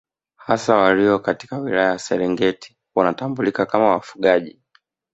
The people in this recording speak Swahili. Hasa walio katika wilaya ya Serengeti wanatambulika kama wafugaji